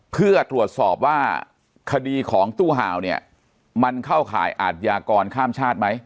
เพื่อตรวจสอบว่าคดีของตู้ห่าวเนี่ยมันเข้าข่ายอาทยากรข้ามชาติไหม